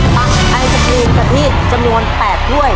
ทั้งไอศกรีมกับที่สำนวนแปดด้วย